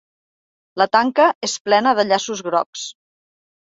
La tanca és plena de llaços grocs.